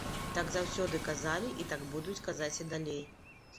Так заўсёды казалі, і так будуць казаць і далей.